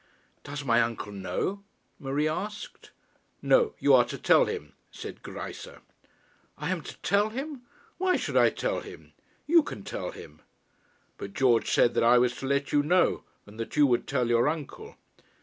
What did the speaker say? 'Does my uncle know?' Marie asked. 'No; you are to tell him,' said Greisse. 'I am to tell him! Why should I tell him? You can tell him.' 'But George said that I was to let you know, and that you would tell your uncle.'